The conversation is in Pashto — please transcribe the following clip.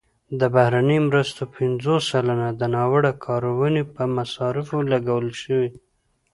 د بهرنیو مرستو پنځوس سلنه د ناوړه کارونې په مصارفو لګول شوي.